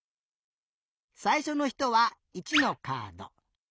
さいしょのひとは１のカード。